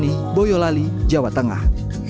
taufik irvani boyolali jawa tengah